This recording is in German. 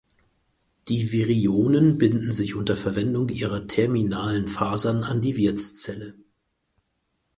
Die Virionen binden sich unter Verwendung ihrer terminalen Fasern an die Wirtszelle.